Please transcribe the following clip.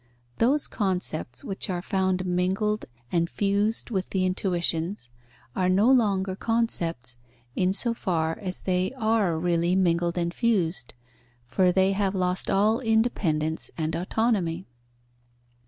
Those concepts which are found mingled and fused with the intuitions, are no longer concepts, in so far as they are really mingled and fused, for they have lost all independence and autonomy.